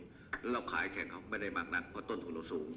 หรือเราขายแข่งเขาไปในมากมักเพราะต้นคุณภาพสูง